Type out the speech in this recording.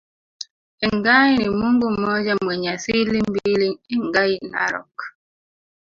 Engai ni Mungu mmoja mwenye asili mbili Engai Narok